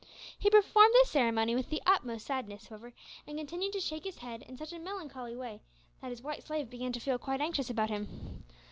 He performed this ceremony with the utmost sadness, however, and continued to shake his head in such a melancholy way that his white slave began to feel quite anxious about him.